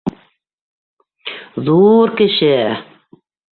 Ҙур кеше.